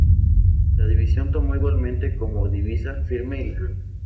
La División tomó igualmente como divisa "Firme y Leal".